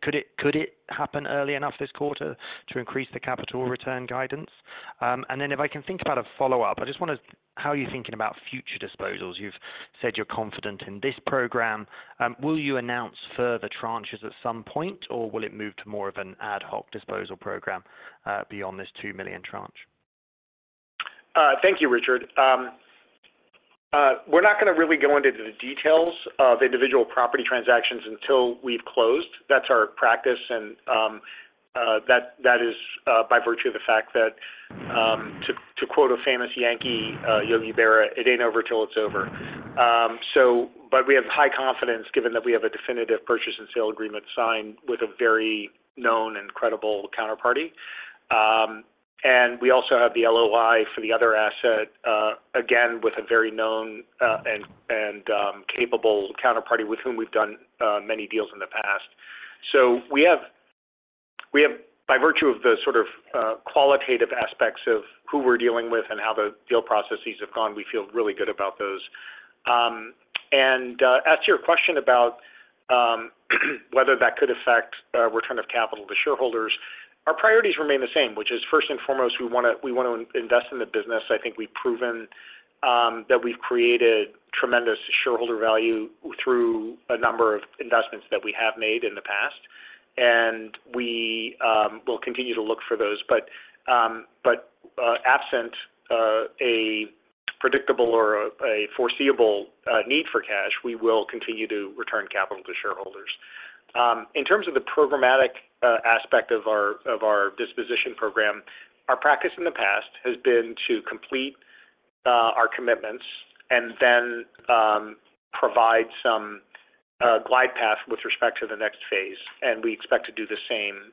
Could it happen early enough this quarter to increase the capital return guidance? And then if I can think about a follow-up, I just wonder how you're thinking about future disposals. You've said you're confident in this program. Will you announce further tranches at some point, or will it move to more of an ad hoc disposal program beyond this two million tranche? Thank you, Richard. We're not going to really go into the details of individual property transactions until we've closed. That's our practice, and that is by virtue of the fact that to quote a famous Yankee, Yogi Berra, "It ain't over till it's over." So but we have high confidence, given that we have a definitive purchase and sale agreement signed with a very known and credible counterparty. And we also have the LOI for the other asset, again, with a very known and capable counterparty with whom we've done many deals in the past. So we have, by virtue of the sort of qualitative aspects of who we're dealing with and how the deal processes have gone, we feel really good about those. As to your question about whether that could affect return of capital to shareholders, our priorities remain the same, which is, first and foremost, we wanna invest in the business. I think we've proven that we've created tremendous shareholder value through a number of investments that we have made in the past, and we will continue to look for those. But absent a predictable or a foreseeable need for cash, we will continue to return capital to shareholders. In terms of the programmatic aspect of our disposition program, our practice in the past has been to complete our commitments and then provide some glide path with respect to the next phase, and we expect to do the same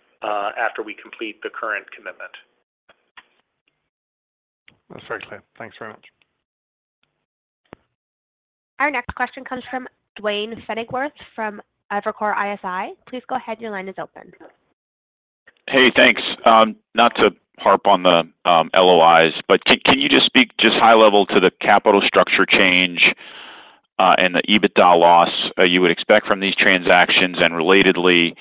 after we complete the current commitment. That's very clear. Thanks very much. Our next question comes from Duane Pfennigwerth from Evercore ISI. Please go ahead. Your line is open. Hey, thanks. Not to harp on the, LOIs, but can you just speak just high level to the capital structure change? And the EBITDA loss you would expect from these transactions, and relatedly,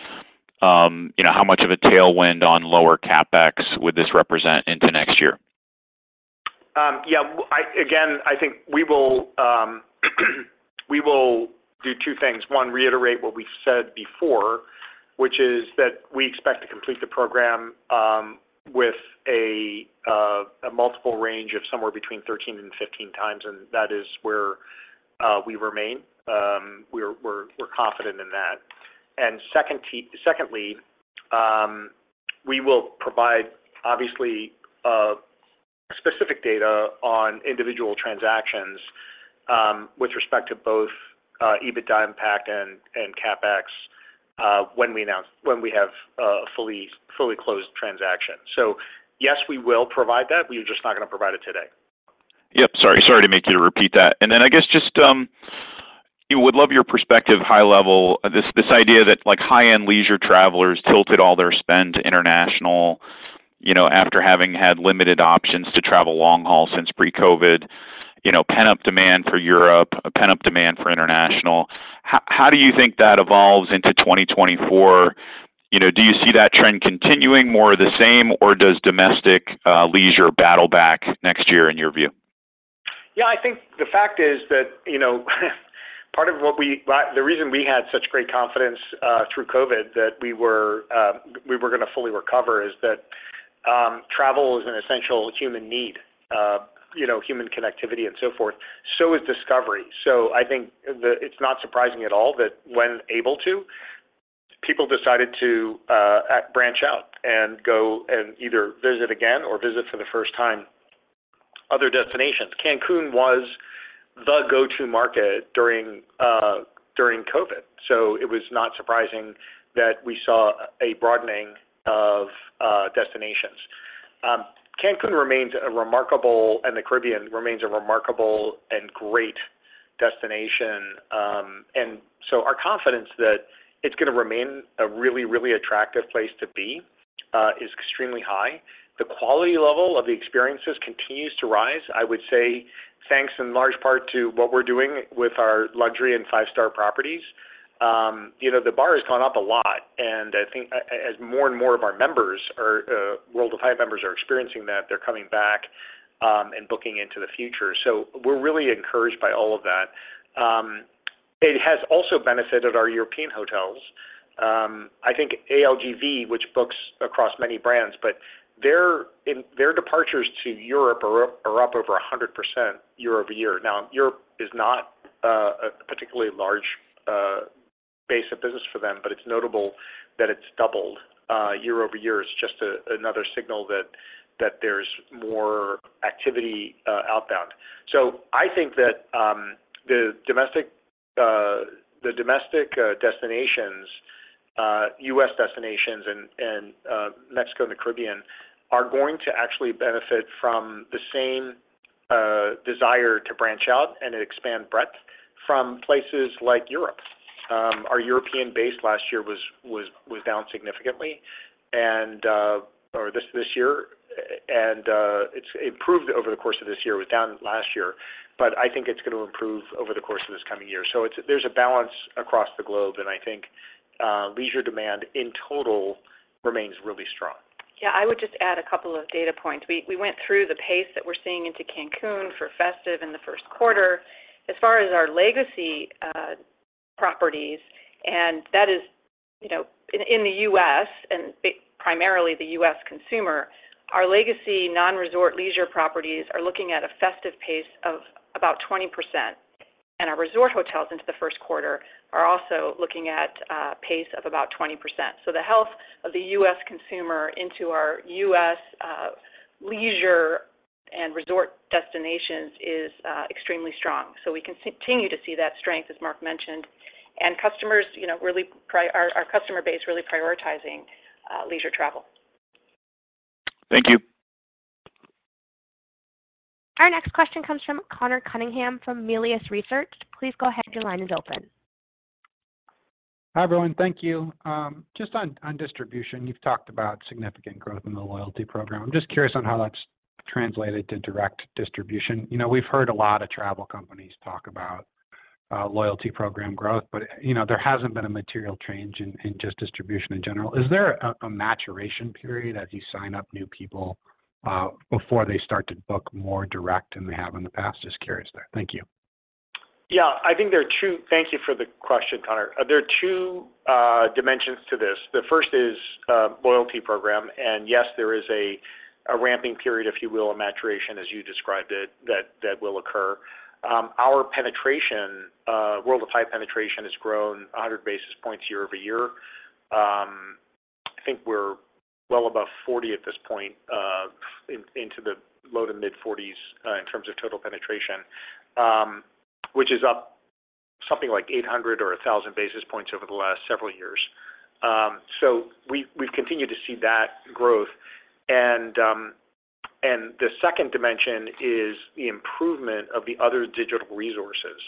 you know, how much of a tailwind on lower CapEx would this represent into next year? Yeah, again, I think we will do two things. One, reiterate what we said before, which is that we expect to complete the program with a multiple range of somewhere between 13x and 15x, and that is where we remain. We're confident in that. And secondly, we will provide obviously specific data on individual transactions with respect to both EBITDA impact and CapEx when we have a fully closed transaction. So yes, we will provide that. We're just not going to provide it today. Yep, sorry. Sorry to make you repeat that. Then I guess just, you would love your perspective, high level, this, this idea that like high-end leisure travelers tilted all their spend to international, you know, after having had limited options to travel long haul since pre-COVID, you know, pent-up demand for Europe, a pent-up demand for international. How, how do you think that evolves into 2024? You know, do you see that trend continuing more the same, or does domestic, leisure battle back next year in your view? Yeah, I think the fact is that, you know, part of what we - the reason we had such great confidence through COVID, that we were going to fully recover, is that travel is an essential human need, you know, human connectivity and so forth. So is discovery. So I think it's not surprising at all that when able to, people decided to branch out and go and either visit again or visit for the first time other destinations. Cancun was the go-to market during during COVID, so it was not surprising that we saw a broadening of destinations. Cancun remains a remarkable, and the Caribbean remains a remarkable and great destination, and so our confidence that it's going to remain a really, really attractive place to be is extremely high. The quality level of the experiences continues to rise, I would say, thanks in large part to what we're doing with our luxury and five-star properties. You know, the bar has gone up a lot, and I think as more and more of our members are, World of Hyatt members are experiencing that, they're coming back, and booking into the future. So we're really encouraged by all of that. It has also benefited our European hotels. I think ALG Vacations, which books across many brands, but their departures to Europe are up over 100% year-over-year. Now, Europe is not a particularly large base of business for them, but it's notable that it's doubled year-over-year. It's just another signal that there's more activity outbound. So I think that the domestic destinations, US destinations and Mexico and the Caribbean, are going to actually benefit from the same desire to branch out and expand breadth from places like Europe. Our European base last year was down significantly, and this year it's improved over the course of this year. It was down last year, but I think it's going to improve over the course of this coming year. So there's a balance across the globe, and I think leisure demand in total remains really strong. Yeah, I would just add a couple of data points. We, we went through the pace that we're seeing into Cancun for festive in the first quarter. As far as our legacy properties, and that is, you know, in, in the US, and primarily the US consumer, our legacy non-resort leisure properties are looking at a festive pace of about 20%. And our resort hotels into the first quarter are also looking at a pace of about 20%. So the health of the US consumer into our US, leisure and resort destinations is extremely strong. So we continue to see that strength, as Mark mentioned, and customers, you know, really pri-- our, our customer base, really prioritizing leisure travel. Thank you. Our next question comes from Conor Cunningham from Melius Research. Please go ahead. Your line is open. Hi, everyone. Thank you. Just on distribution, you've talked about significant growth in the loyalty program. I'm just curious on how that's translated to direct distribution. You know, we've heard a lot of travel companies talk about loyalty program growth, but, you know, there hasn't been a material change in just distribution in general. Is there a maturation period as you sign up new people before they start to book more direct than they have in the past? Just curious there. Thank you. Yeah, I think there are two. Thank you for the question, Conor. There are two dimensions to this. The first is loyalty program, and yes, there is a ramping period, if you will, a maturation, as you described it, that will occur. Our penetration, World of Hyatt penetration has grown 100 basis points year-over-year. I think we're well above 40 at this point, into the low to mid-forties, in terms of total penetration, which is up something like 800 or a thousand basis points over the last several years. So we've continued to see that growth. And the second dimension is the improvement of the other digital resources.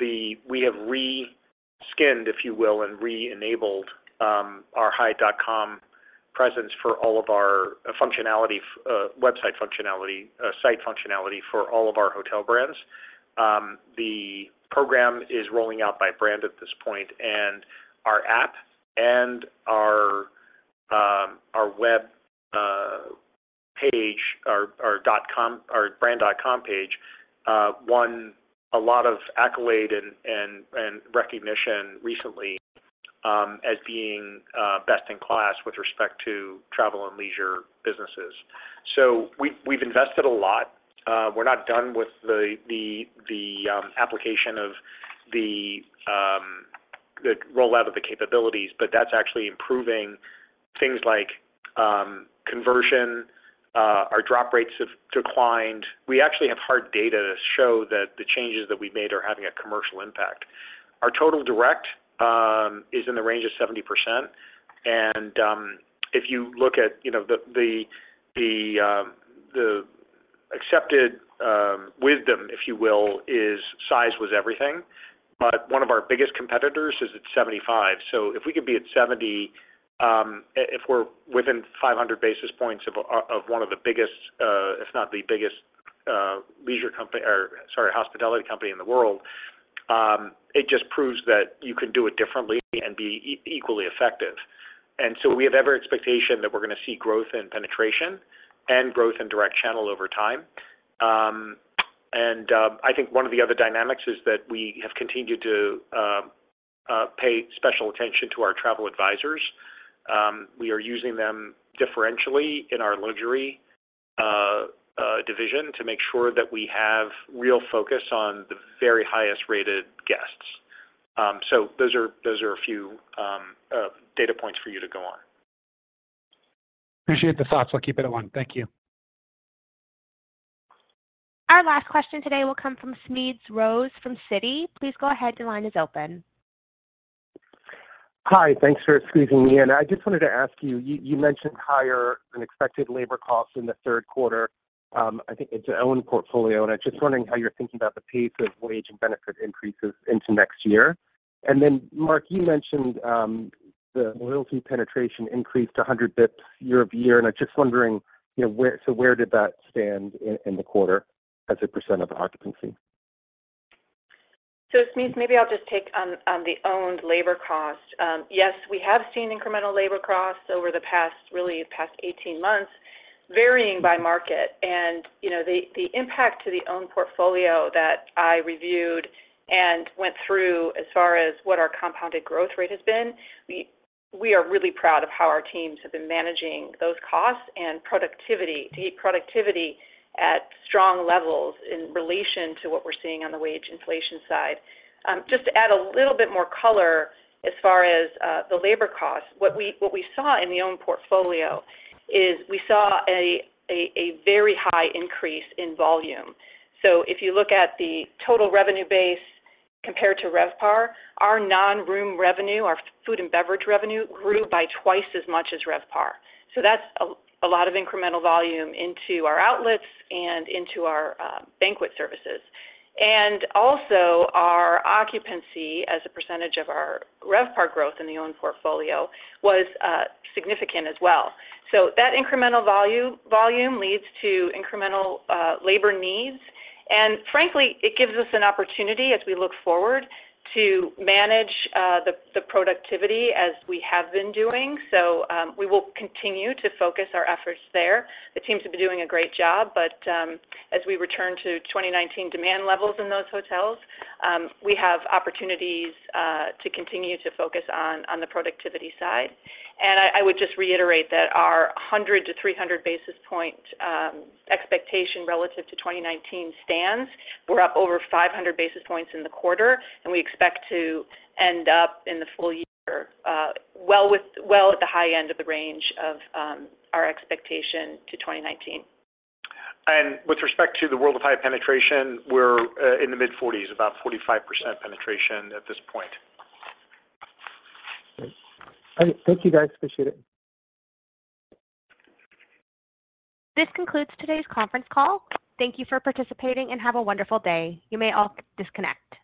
We have re-skinned, if you will, and re-enabled our Hyatt.com presence for all of our functionality, website functionality, site functionality for all of our hotel brands. The program is rolling out by brand at this point, and our app and our web page, our .com, our Brand.com page won a lot of accolade and recognition recently as being best in class with respect to travel and leisure businesses. So we've invested a lot. We're not done with the application of the rollout of the capabilities, but that's actually improving things like conversion. Our drop rates have declined. We actually have hard data to show that the changes that we've made are having a commercial impact. Our total direct is in the range of 70%, and if you look at, you know, the accepted wisdom, if you will, is size was everything. But one of our biggest competitors is at 75%. So if we can be at 70%... If we're within 500 basis points of one of the biggest, if not the biggest, leisure company or, sorry, hospitality company in the world, it just proves that you can do it differently and be equally effective. And so we have every expectation that we're going to see growth in penetration and growth in direct channel over time. And I think one of the other dynamics is that we have continued to pay special attention to our travel advisors. We are using them differentially in our luxury division to make sure that we have real focus on the very highest-rated guests. So those are a few data points for you to go on. Appreciate the thoughts. I'll keep it at one. Thank you. Our last question today will come from Smedes Rose from Citi. Please go ahead, your line is open. Hi, thanks for squeezing me in. I just wanted to ask you, you mentioned higher than expected labor costs in Q3. I think it's your own portfolio, and I'm just wondering how you're thinking about the pace of wage and benefit increases into next year. And then, Mark, you mentioned the loyalty penetration increased 100 basis points year-over-year, and I'm just wondering, you know, where, so where did that stand in the quarter as a % of occupancy? So Smedes, maybe I'll just take on the owned labor cost. Yes, we have seen incremental labor costs over the past, really past 18 months, varying by market. And, you know, the impact to the owned portfolio that I reviewed and went through as far as what our compounded growth rate has been, we are really proud of how our teams have been managing those costs and productivity, the productivity at strong levels in relation to what we're seeing on the wage inflation side. Just to add a little bit more color as far as the labor cost, what we saw in the owned portfolio is we saw a very high increase in volume. So if you look at the total revenue base compared to RevPAR, our non-room revenue, our food and beverage revenue, grew by twice as much as RevPAR. So that's a lot of incremental volume into our outlets and into our banquet services. And also, our occupancy as a percentage of our RevPAR growth in the owned portfolio was significant as well. So that incremental volume leads to incremental labor needs, and frankly, it gives us an opportunity as we look forward, to manage the productivity as we have been doing. So we will continue to focus our efforts there. The teams have been doing a great job, but as we return to 2019 demand levels in those hotels, we have opportunities to continue to focus on the productivity side. And I would just reiterate that our 100 basis points to 300 basis points expectation relative to 2019 stands. We're up over 500 basis points in the quarter, and we expect to end up in the full year, well at the high end of the range of our expectation to 2019. With respect to the World of Hyatt penetration, we're in the mid-40s, about 45% penetration at this point. Great. All right, thank you, guys. Appreciate it. This concludes today's conference call. Thank you for participating and have a wonderful day. You may all disconnect.